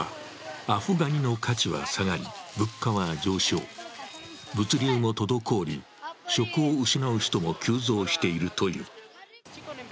アフガニの価値は下がり、物価は上昇、物流も滞り、職を失う人も急増しているという。